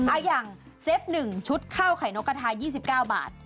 อ่ะอย่างเซต๑ชุดข้าวไข่โน้กกะทายี่สิบเก้าบาท